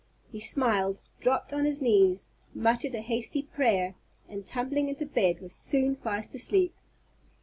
He smiled, dropped on his knees, muttered a hasty prayer, and, tumbling into bed, was soon fast asleep.